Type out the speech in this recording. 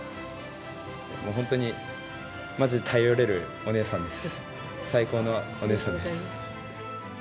本当に、まじ頼れるお姉さんです。